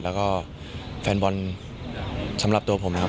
แล้วก็แฟนบอลสำหรับตัวผมนะครับ